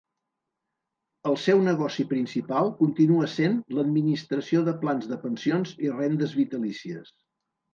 El seu negoci principal continua sent l'administració de plans de pensions i rendes vitalícies.